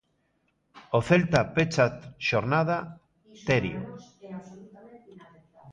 O Celta pecha a xornada, Terio.